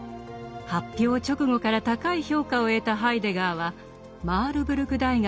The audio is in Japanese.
発表直後から高い評価を得たハイデガーはマールブルク大学